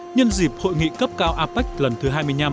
nhân dịp hội nghị cấp cao apec lần thứ hai mươi năm